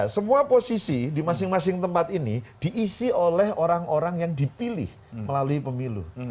semua posisi di masing masing tempat ini diisi oleh orang orang yang dipilih melalui pemilu